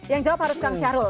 yang jawab harus kang syahrul